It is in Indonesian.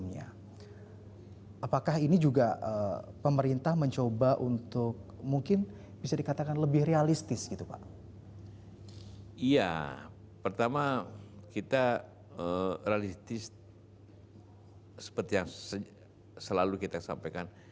iya pertama kita realistis seperti yang selalu kita sampaikan